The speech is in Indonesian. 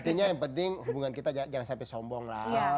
artinya yang penting hubungan kita jangan sampai sombong lah